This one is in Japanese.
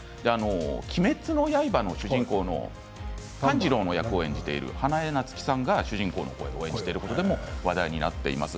「鬼滅の刃」の主人公の炭治郎の役を演じている花江夏樹さんが主人公の声を演じていることでも話題になっています。